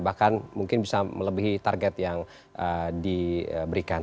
bahkan mungkin bisa melebihi target yang diberikan